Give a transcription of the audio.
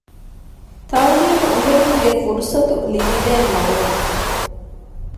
ތަޢުލީމު އުނގެނުމުގެ ފުރުޞަތު ލިބިދޭން ވާނެ